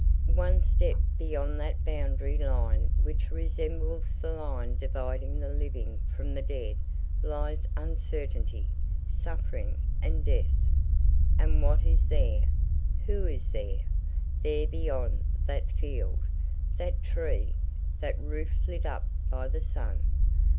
"One step beyond that boundary line which resembles the line dividing the living from the dead lies uncertainty, suffering, and death. And what is there? Who is there?—there beyond that field, that tree, that roof lit up by the sun?